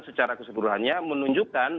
secara keseluruhannya menunjukkan